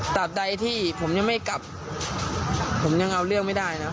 ใดที่ผมยังไม่กลับผมยังเอาเรื่องไม่ได้นะ